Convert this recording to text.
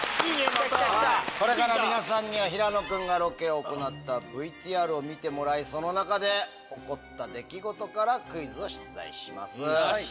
これから皆さんには平野君がロケを行ったＶＴＲを見てもらいその中で起こった出来事からクイズを出題します。